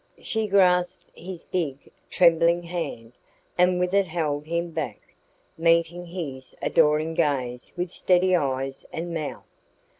She grasped his big, trembling hand, and with it held him back, meeting his adoring gaze with steady eyes and mouth.